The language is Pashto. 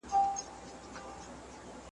په دعا سو د امیر او د خپلوانو